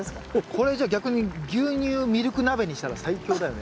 これじゃあ逆に牛乳ミルク鍋にしたら最強だよね。